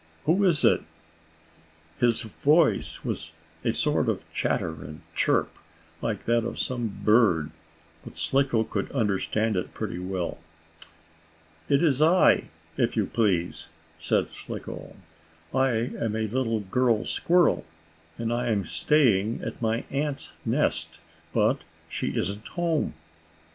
Who is it?" His voice was a sort of chatter and chirp, like that of some bird, but Slicko could understand it pretty well. "It is I, if you please," said Slicko. "I am a little girl squirrel, and I am staying at my aunt's nest, but she isn't home.